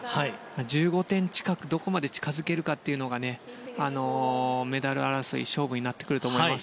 １５点近くどこまで近づけるかがメダル争い勝負になってくると思います。